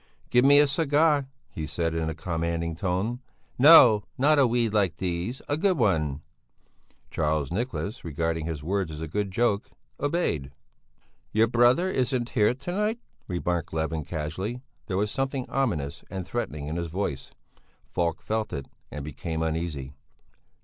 "Give me a cigar!" he said in a commanding tone; "no, not a weed like these, a good one." Charles Nicholas, regarding his words as a good joke, obeyed. "Your brother isn't here to night," remarked Levin casually. There was something ominous and threatening in his voice; Falk felt it and became uneasy.